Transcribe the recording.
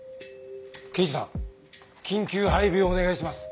刑事さん緊急配備をお願いします。